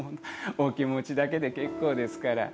お気持ちだけで結構ですから。